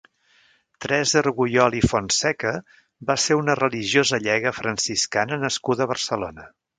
Teresa Arguyol i Fontseca va ser una religiosa llega franciscana nascuda a Barcelona.